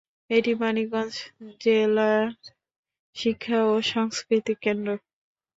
এটি মানিকগঞ্জ জেলার শিক্ষা ও সাংস্কৃতিক কেন্দ্র।